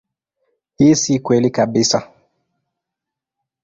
Hii si kweli kabisa.